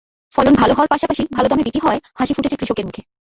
ফলন ভালো হওয়ার পাশাপাশি ভালো দামে বিক্রি হওয়ায় হাসি ফুটেছে কৃষকের মুখে।